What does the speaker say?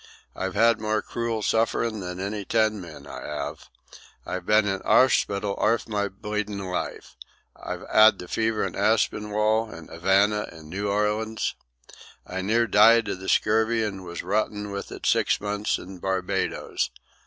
I've had more cruel sufferin' than any ten men, I 'ave. I've been in orspital arf my bleedin' life. I've 'ad the fever in Aspinwall, in 'Avana, in New Orleans. I near died of the scurvy and was rotten with it six months in Barbadoes.